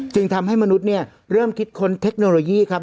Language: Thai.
จึงทำให้มนุษย์เริ่มคิดค้นเทคโนโลยีครับ